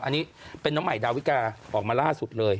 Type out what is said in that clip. อันนี้เป็นน้องใหม่ดาวิกาออกมาล่าสุดเลย